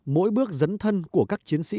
mỗi bước dấn thân của các chiến sĩ